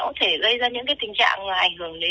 có thể gây ra những cái tình trạng ảnh hưởng đến